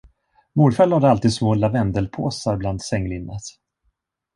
Morfar lade alltid små lavendelpåsar bland sänglinnet.